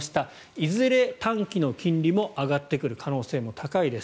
いずれ短期の金利も上がってくる可能性も高いです。